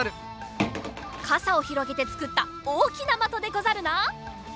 かさをひろげてつくったおおきなまとでござるな。